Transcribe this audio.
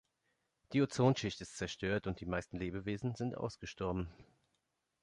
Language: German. Die Ozonschicht ist zerstört und die meisten Lebewesen sind ausgestorben.